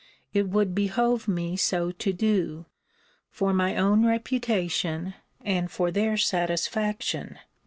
It would behove me so to do, for my own reputation, and for their satisfaction.